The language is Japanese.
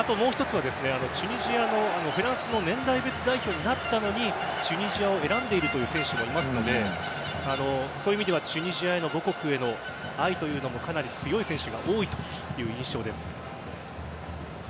もう一つはフランスの年代別代表になったのにチュニジアを選んでいる選手もいますのでそういう意味ではチュニジアへの母国への愛というのもかなり強い選手が多いという印象です。